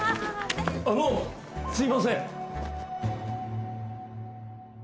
あのすみません。